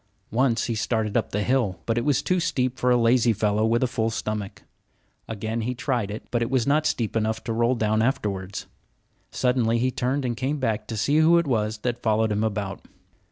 Once he started up the hill; but it was too steep for a lazy fellow with a full stomach. Again he tried it; but it was not steep enough to roll down afterwards. Suddenly he turned and came back to see who it was that followed him about.